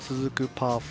パー４。